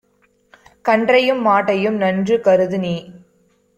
கன்றையும் மாட்டையும் நன்று கருதுநீ